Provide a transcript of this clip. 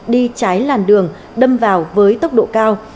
đi trái làn đường đâm vào với tốc độ cao